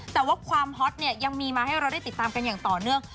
แต่ว่าความฮอตเนี่ยยังมีมาให้เราได้ติดตามกันอย่างต่อเนื่อง